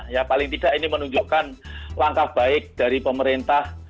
ya paling tidak ini menunjukkan langkah baik dari pemerintah